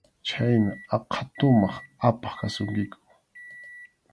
Chhayna aqha tumaq apaq kasunkiku.